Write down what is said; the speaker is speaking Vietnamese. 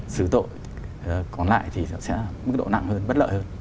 sự tội còn lại thì sẽ là mức độ nặng hơn bất lợi hơn